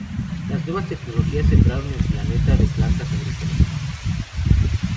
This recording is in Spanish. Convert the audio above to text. Las nuevas tecnologías sembraron el planeta de plantas agrícolas.